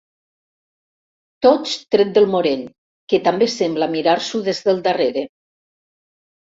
Tots tret del Morell, que també sembla mirar-s'ho des del darrere.